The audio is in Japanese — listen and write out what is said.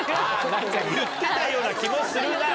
何か言ってたような気もするな。